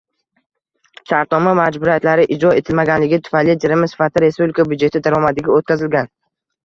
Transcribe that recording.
Shartnoma majburiyatlari ijro etilmaganligi tufayli jarima sifatida respublika byudjeti daromadiga oʻtkazilgan.